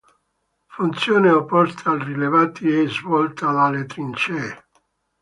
Funzione opposta ai rilevati è svolta dalle trincee.